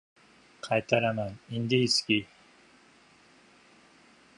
Qaytaraman, indiyskiy!